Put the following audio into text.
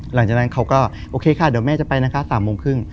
หลังจากนั้นเขาก็โอเคค่ะเดี๋ยวแม่จะไปนะคะ๓โมงครึ่ง